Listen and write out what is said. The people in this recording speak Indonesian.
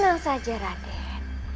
tenang saja raden